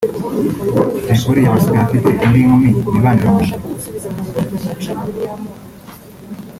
Jay Polly yaba asigaye afite indi nkumi bibanira mu nzu